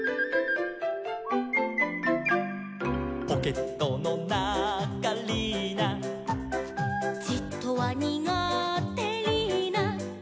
「ポケットのなかリーナ」「じっとはにがてリーナ」